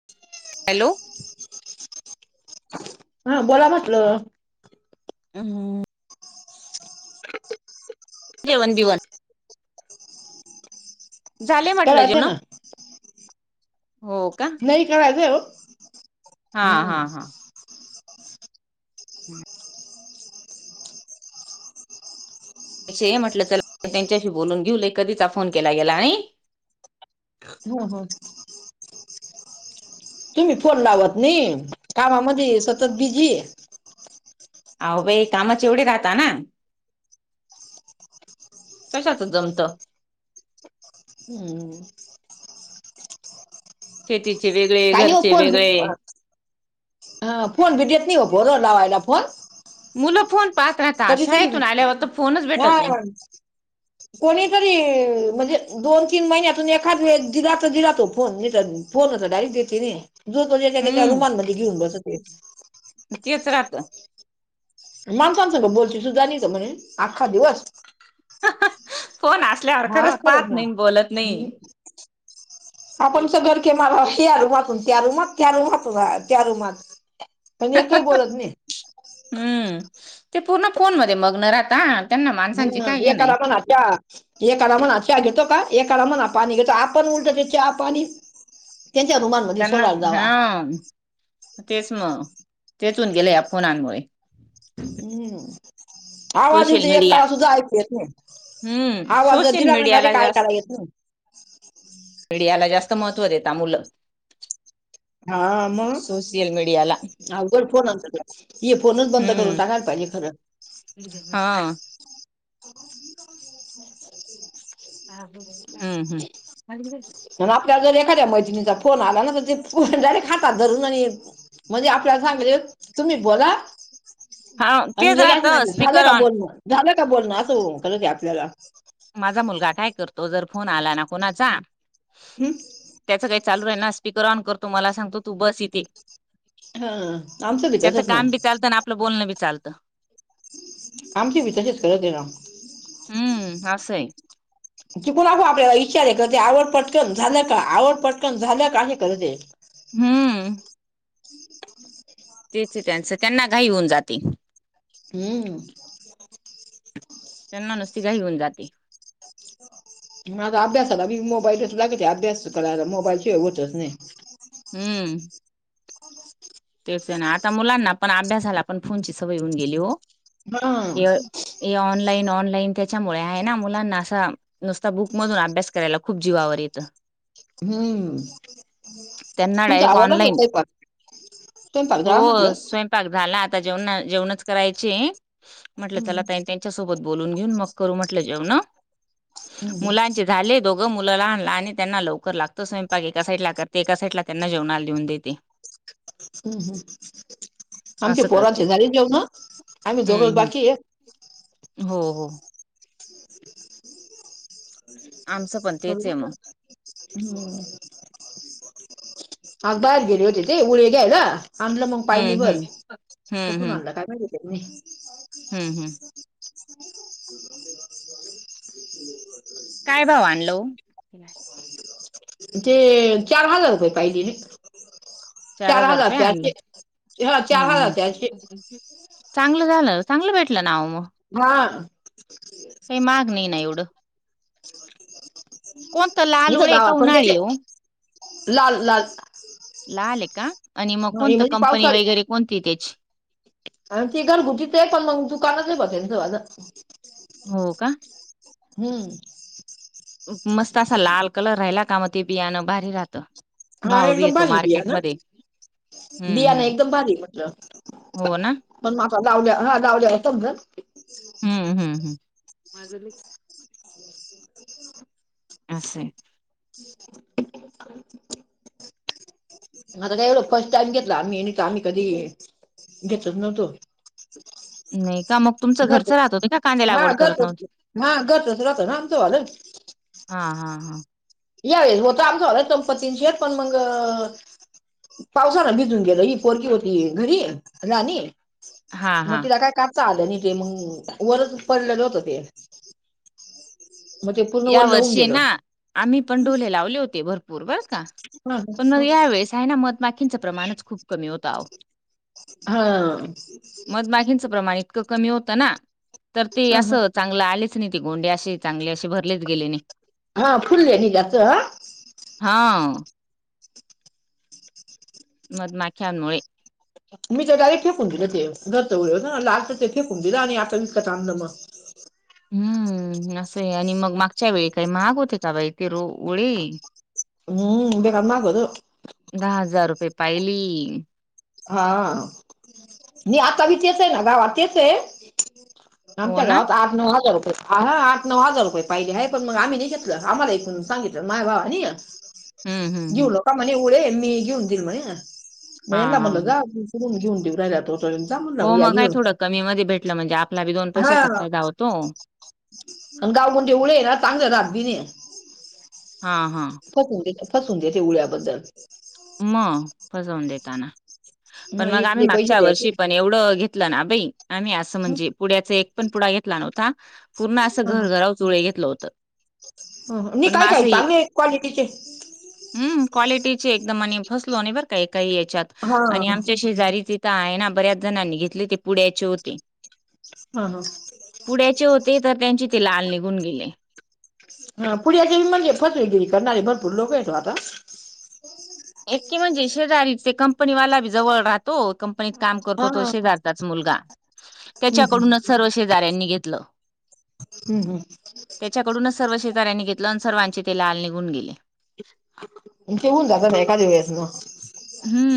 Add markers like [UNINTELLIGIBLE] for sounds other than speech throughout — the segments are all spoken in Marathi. ह. [UNINTELLIGIBLE] हॅलो, हा बोला म्हटलं. ह. जेवन दिवन. झालेय म्हटलं जेव ना. नाही कय देऊ हा हा हा. ब त्या म्हटलं चला त्यांच्याशी बोलून घेऊ कधीचा फोन केला गेला आणि हो हो तुम्ही फोन लावत नाही कामामध्ये सतत बिझी अहो बाई कामाचेवढे राहात ना कशाच जमतं. हम्म. शेतीचे व काय नाही फोन हा फोन भीडित नाही हो भरो लावायला फोन- मुलं फोन पाहत राहता कधीतरी शाळेतून आल्यावर तर फोनच भेटत हा नाही. कोणीतरी म्हणजे दोन तीन महिन्यातून एखाद वे दिला तर दिला तो फोन फोनवर तर डयरेटेतथे ना जो ज एका एका हम्म रुमानमध्ये घीऊन बसते तेच राहत माणसांसं म बोलती तू जाणी का म्हणेून आ्खा दिवस फोन असल्यावर हा खरंच पाहत नाही ना. बोलत नाही [INAUDIBLE] आपणच घरके मलाश या रूमातून त्या रूमात त्या रूमातून त्या रूमात पण एकही बोलत नाही. हम्म ते पूर्ण फोन मध्ये मग्न राहता. त्यांना माणसांची ह काय हे नाही एकाला पण त्या ए आरा म्हणा चहा घेतो का ए आरा म्हणा पाणी घेतो आपण उलटो ते चहा पाणी त्यांच्या हुमानमध्ये त्यांना सलाार जावा. हा. तेच मग तेचून गेले या फोनांमुळे. हम्म. आवाजऊ सोशल एक मीडिया काळा सुद्धा ऐक येत नाही हम्म आवाज जर सोशल दिला ना झाले मीडियाला का जास्त ऐकायला येत नाही. मीडियाला जास्त महत्त्व देता मुलं हा आम सोशल मीडियाला अघड फोन आणत फोनच बंद करून हम्म टाकायला पाहिजे खरं हा. [INAUDIBLE] हम्म हम्म. पण आपल्याला जर एखाद्या मैत्रिणीचा फोन आला ना तर ते फ जायरेट खातात धरून आणि. म्हणजे आपल्याला सांगले तुम्ही बोला हा आणि तेच लगे अस राहत ना झालं स्पीकर का ऑन बोलणं झालं का बोलणं असं खरच आपल्याला माझा मुलगा काय करतो जर फोन आला ना कुणाचा हम्. त्याचं काही चालू रा ना स्पीकर ऑन करतो मला सांगतो तू बस इथे हा आमचा त्याचं विचारच ना. काम बी चालतं आणि आपलं बोलण चालतं आमचे बी तसेच करत आहे ना. हम्म असय. चिकूूनकू आपल्याला इ्चार आहे कर ते आवड पटकन झाल्या का आवड पटकन झाल्या का हे करत ते. हम्म. तेचे त्यांच त्यांना घाई होऊन जाते. हम्म. त्यांना नुसती काही घेऊन जाते. मझ अभ्यास आताी मोबाईल लागेच अभ्यास करायला मोबाईल ज होचोस नाही. हम्म. हो. तेच आहे ना आता मुलांना पण अभ्यासाला पण फोनची सवय होऊन गेली हो. हा. हे हे ऑनलाईन ऑनलाईन त्याच्यामुळे आहे ना मुलांना असं. नुसता बुक मधून अभ्यास करायला खूप जीवावर येतं. हम्म त्यांना तुमचा डायरेक्ट आवडच ऑनलाईन साय प हो स्वयंपाक झाला आता जेव जेवणच करायचे म्हटलं चला हम्म, त्यां बून घेऊन मग म्हट जे हम्म, मुलां झा. दोघं मुलंला आणला आणि त्यांना लवकर लागतो स्वयंपाक एका साईड ला करते एका साईडला त्यांना जेवणाला लिहून देते. हम् हम् आमच्या असं पोर करते शेजारी जेऊ ना आम्ही जवळ हम्म हम्म बाकी आहे. हो हो. आमचं पण तेच आहे मग कर हो. अग बाहेर गेले होते ते ळ घ्यायला आणलं मग पाहिली हम्म बर हम्म हम्म हम्म कुठून आणलं काय माहिती ह. हम्म हम्म. काय भाऊ आणलो. ते चार हजार रुपये पाहिली. चार हजार चारश हा चार हजार हम्म चारशी. हम्म. चांगलं झालं चांगलं भेटलं नाव मग हा. काही माग नाही ना एवढं. कोणतं लाल म का उळे गावात पण त्याच्या उन्हाळी आहे ओ? लाल लाल. लाल आहे का आणि मग हा, हे कोणत म्हणजे कंपनी पावसाळी वगैरे कोणती त्याची आणि तेी घर घुतीच पण मग दुकानाच बसलच वाज. हो का. हम्म. मस्त असा लाल कलर राहिला का मग ते पियाणं भारी राहतं. हा भाव बी एकदम येतो भारी बीया ना. मार्केटमध्ये. हम्म बया ना हम्म एकदम भारी म्हटलं. हो ना? मण माा लाावल्या हा लाावल्यावर समज हम्म हम्म हम्. असे. [UNINTELLIGIBLE] [UNINTELLIGIBLE] आता काय एढ फर्स्ट टाइम घेतला आम्ही आम्ही कधी घेतत नव्हतो. नाही का मग [UNINTELLIGIBLE] तुमचं घर घरचं राहत होते का कांदे हा लागवड करत घरतस नव्हते? हा घरतस रातो आमतो वाले हा हा हा. या होत आमचा होला दंपतींशीेत पण मग पावसान भिजून गेलं ही पोरकीी होती घरी राणी हा हा मग तिला काय कापता आलं नाही ते मग वरच पडलेलं होत ते मगजे पूर्ण या वर लवऊून वर्षी गेलं. ना आम्ही पण डोले लावले होते भरपूर बर का हा पण मग यावेेळेस चायना मधमाखींचं प्रमाणच खूप कमी होतं. मधमागींचं प्रमाण इतकं कमी होतं ना. तर ते हा असं चांगलं आलेच नाही ती गोंडी असे चांगले असे भरलेच गेले नाही. हा फुले ह्याज्यात ह [UNINTELLIGIBLE] हा. मधमाशांमुळे. मी तर डायरेक्ट फेकून दिलं ते घरत उरे हो आल तर ते फेकून दिलं आणि आता विकत आणलं मग. हम्म असं आहे आणि मग मागच्या वेळी काही महाग होते का बाई ते रो ओळे. हम्म ब का्गोत [UNINTELLIGIBLE] दहा हजार रुपये पाहिली. हा मी आता बी तेच हे ना गावात तेच हे. हो आमच्या ना गावात आठ नऊ हजार रुपये. ह आठ नऊ हजार रुपये पाहिले आहे पण मग आम्ही नाही घेतलं आम्हाला एकून सांगितलं माय बाबा नी ह [INAUDIBLE] हम्म हम् हम्म. का म्हणे उडे मी घेऊन देईल म्हणे मग हा याना हा म्हटलं जा घेऊन देईऊ राहिला तो. ंत [UNINTELLIGIBLE] हो मग काय थोडं कमी मध्ये भेटलं म्हणजे आपला बी दोन हा पैशाचा फायदा होतो. आणि गाव कोठ देवूळ आहे ना चांगलं राात बी नाई. हा हा फसून देते फसून देते उळ्याबद्दल. मग फसवून देताना पण मग आम्ही इकडे पैसे मागच्या द्यायचे वर्षी पण एवढं घेतलं ना बाई आम्ही आज असं हं, म्हणजे पुण्या्याचा एक पण पुढा घेतला नव्हता पूर्ण असं हं, घर घरा चुळे घेतलं होत. नाही काय काय चांगलं क्वालिटीचे हम् क्वालिटीचे एकदम आणि फसलो नाही बरं का एकाहि याच्यात हा आणि आमच्या शेजारीचे आहे ना बऱ्याच जणांनी घेतले ते पुढ्याचे होते. ह हा. पुढ्यायाचे होते तर त्यांचे ते लाल निघून गेले. हा पुण्या्याचेी म्हणजे फसवीगिरी करणारे भरपूर लोक येतो आता. एकी म्हणजे शेजारी ते कंपनी वाला बी जवळ राहतो कंपनीत काम हा तो तो हं, शेजारचाच मुलगा हं, त्याच्याकडूनच सर्व शेजऱ्यांनी घेतलं. हम् हम्. त्याच्याकडूनच सर्व शेजाऱ्यांनी घेतलं आण सर्वांचे तेला लाल निघून गेले. ते होऊन जातं ना एखाद्या वेळेस मग. हम्म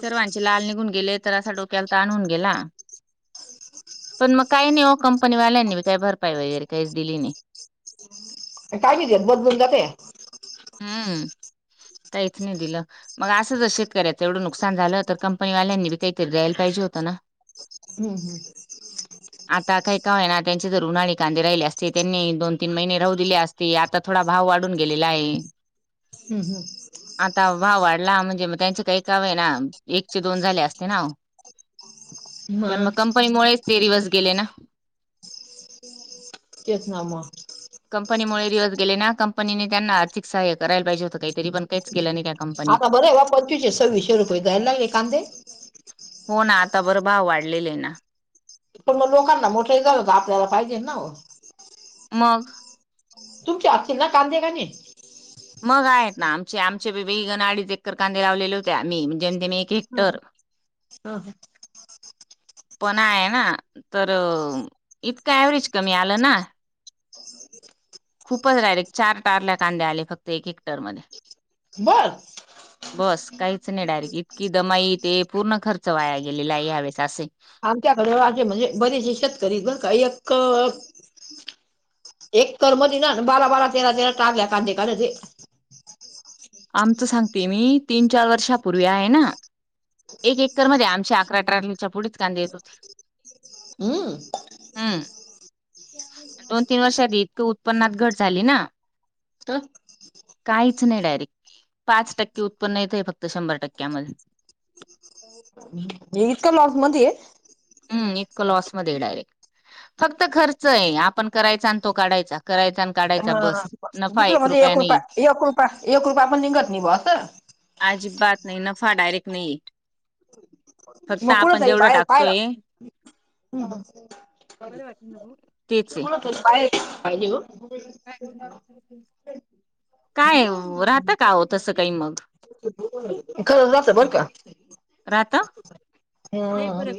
सर्वांचे लाल निघून गेले तर असा डोक्याला ताणून गेला. पण मग काही नाही ओ कंपनी वाल्यांनी बि काही भरपाई वगैरे काहीच दिली नाही. काय कितीेत बद बन जाते [UNINTELLIGIBLE] हम्म काहीच नाही दिलं मग असं जर शेतकऱ्याचं एवढं नुकसान झालं तर कंपनी वाल्यांनी बी काहीतरी द्यायला पाहिे होतं ना. हम्म हम् आता काही का होईना त्यांचे जर उन्हाणी कांदे राहिले असते त्यांनी दोन तीन महिने राहू दिले असते. ते आता थोडा भाव वाढून गेलेला आहे. हम्म हम्म आता भाव वाढला म्हणजे मग त्यांचं काही काव होईना. एकचे दोन झाले असते ना पण मग कंपनी वाल्यांमुळे ते दिवस गेले ना. तेच ना मग कंपनीमुळे दिवस गेले ना कंपनीने त्यांना आर्थिक सहाय करायला पाहिजे होंत काहीतरी पण काहीच गेलं नाही. कंपनीने. आता बरं आहे बा पंचवीशे सव्वीसशे रुपये जायला लागले कांदे. हो ना आता बरं भाव वाढलेले आहे ना. पण मग लोकांना मोठे झाल होत आपल्याला पाहिजे ना. मग. तुमची असच ना काधे कानी. मग आहेत ना आमचे आमचे वेगन अडीच एकर कांदे लावलेले होते आम्ही म्हणजे म एक हेक्टर. चालतं. पण आहे ना तर इतकं व्हरेज कमी आलं ना. [INAUDIBLE] खूपच गडायरेक्ट चार टारल्या कांद्या आले फक्त एक एकटर मध्ये. ब. बस काहीच नाही डायरेक्ट इतकी दमाई ते पूर्ण खर्च वाया गेलेला आहे ह्यावेळेस असे. आमच्याकडे असे म्हणजे बरेचसे शेतकरी बर का एक एककरर मती ना आणि बारा बारा तेरा तेरा टाग घ्या कांदे काढायचे. आमचं सांगते मी तीन चार वर्षापूर्वी आहे ना एक एकरमध्येध्ये आमची अकरा अठरालच्या पुढेच कांदीे येत होती. हम्म. दोन तीन वर्ष आध इतक उत्पन्ना घट झाली ना. तात. काहीच नाही डायरेक्ट पाच टक्के उत्पन्न येत आहे फक्त शंभर टक्क्यामधल. [UNINTELLIGIBLE] इतका लॉसमध्ये. हम् इतकं लॉसमध्ये आहे डायरेक्ट. फक्त खर्च आहे आपण करायचा तो काढाचा करायचा. काढायचा ह बस नफा दुसरं म्हणजे रुपया एक रुप नाही एक रुपय एक रुपयया पण लिघत नाही बस. अजिब बात नाही नफा डायरेक्ट नाही फक्त आपण जेवढं टाकत हॅलो. तेच आहे पा पाहिे. काय राहत का हो तसं काही मग? खरंच जात बर का. राहत हम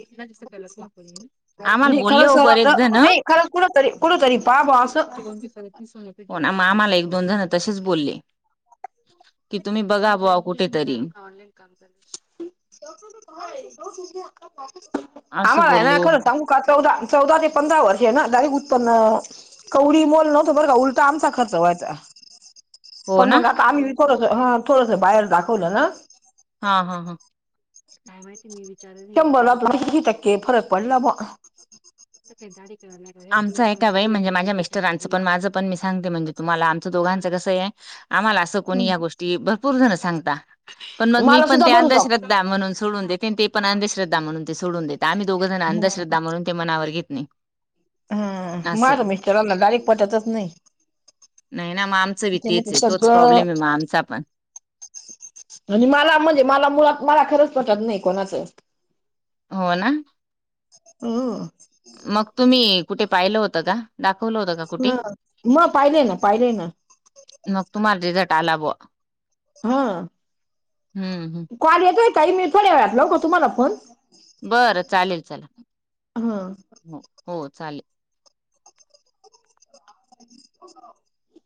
आम्हाला नाही बोलले खरं स हो बरेच आता जण नाही. खरं कुठरी कुठतरी पा बा असं. आम्हाला एक दोन जण तसेच बोलले की तुम्ही बघा ब कुठ कुठेतरी? ऑलाईन काम कर. असं आाम्हाला आहेना बोलले खरं सांगू. चौदा चौदा ते पंधरा वर्ष आहे ना दारीक उत्पन्न कवडी मोल नव्हतो बरं का उलटा आमचा खर्च व्हायचा. हो पण ना. मग आता आम्ही थोडस ह थोडस बाहेर दाखवलं ना. हा हा हा. शभ लात क हितके फरक पडला बा. म दाडी कला. आमचं आहे का वे म्हणज मा्या मिस्टरांचं पण माझं पण मी सांगते म्हणजे तुम्हाला आमच दोघांं कसं आहे. आम्हाला असं कोणी या गोष्टी भरपूर जण सांगता पण मग मी मला पण सुद्धा त्या भरू अंधश्र जाऊ म्हणून सडून देत आणि ते पण अंधश्रद्धा म्हणून ते सडून देतम्ही दोघ ज अंधश्रद्धा म्हणून ते मनावर घेत नाही. हा असं मार आहे. मिस्टरना काही पटतच नाही. नाही ना मग आमचं बी ते तेच मग आहे तोच सगळं प्रॉब्लेम आहे मग आमचा पण. आणि मला म्हणजे मला मुळात मला खरंच पटत नाही कोणाचं. हो ना. हो. मग तुम्ही कुठे पाहिलं होतं का? दाखवलं होत हा मग पाहिले ना, पाहिले ना, मग तुम्हा रिझल्ट आला बुवा हा हम्म हम् कॉल येतोय ताई मी थोड्यावेळात लावू का तुम्हाला फोन? बरं चालेल चला हा. हो हो चालेल [UNINTELLIGIBLE]